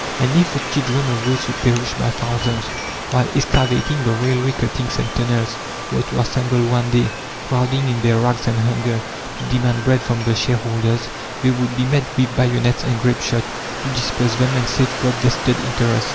And if the children of those who perished by thousands while excavating the railway cuttings and tunnels were to assemble one day, crowding in their rags and hunger, to demand bread from the shareholders, they would be met with bayonets and grapeshot, to disperse them and safeguard "vested interests."